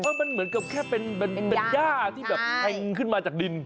เหมือนกับแค่เป็นหญ้าที่แห่งขึ้นมาจากดิน